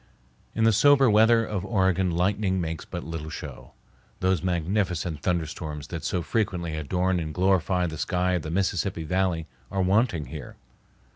In the sober weather of Oregon lightning makes but little show. Those magnificent thunderstorms that so frequently adorn and glorify the sky of the Mississippi Valley are wanting here.